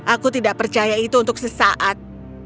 aku tidak percaya itu untuk sesaat